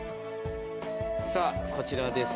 さあこちらです。